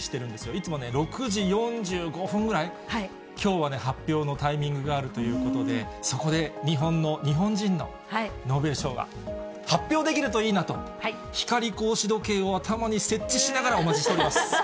いつもね、６時４５分ぐらい、きょうはね、発表のタイミングがあるということで、そこで日本の、日本人の、ノーベル賞が発表できるといいなと、光格子時計を頭に設置しながらお待ちしております。